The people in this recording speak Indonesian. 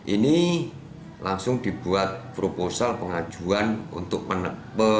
ini langsung dibuat proposal pengajuan untuk